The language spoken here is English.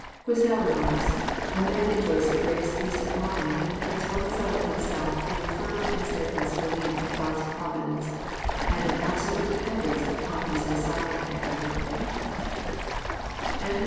Quesnel remarks :" A man enjoys the greatest peace of mind when he has once settled himself in a firm and steadfast belief of God's providence, and an absolu^ie dependence upon His de sign and wilL" JOHK, CHAP.